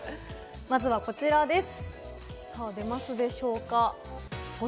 まずは、こちらです。